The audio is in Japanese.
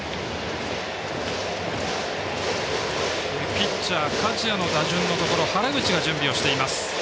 ピッチャー加治屋の打順のところ原口が準備をしています。